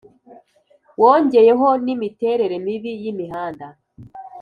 wongeyeho n'imiterere mibi y'imihanda.